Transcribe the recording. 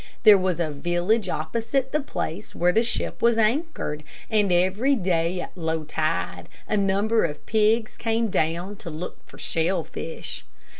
There was a village opposite the place where the ship was anchored, and every day at low tide, a number of pigs came down to look for shell fish.